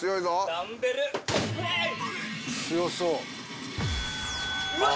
強そう！